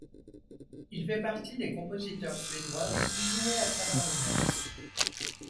Il fait partie des compositeurs suédois les plus joués à travers le monde.